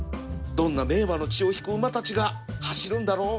どんな名馬の血を引く馬たちが走るんだろう